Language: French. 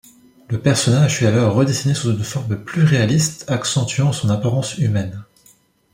Le personnage fut alors redessiné sous une forme plus réaliste accentuant son apparence humaine.